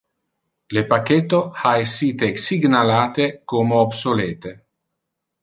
Le pacchetto ha essite signalate como obsolete.